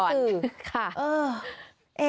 ต้องออกมาพึ่งสื่อ